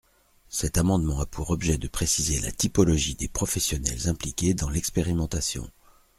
Cet amendement a pour objet de préciser la typologie des professionnels impliqués dans l’expérimentation.